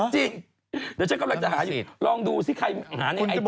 จริงเดี๋ยวฉันกำลังจะหาอยู่ลองดูซิใครหาในไอจี